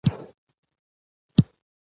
ایا تاسو کولی شئ دا مفهوم نور تشریح کړئ؟